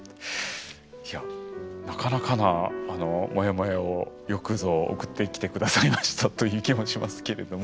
いやなかなかなあのモヤモヤをよくぞ送ってきて下さいましたという気もしますけれども。ね。